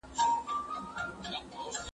زه کولای شم کتاب ولولم،